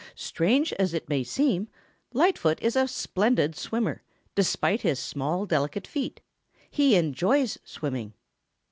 Strange as it may seem, Lightfoot is a splendid swimmer, despite his small, delicate feet. He enjoys swimming.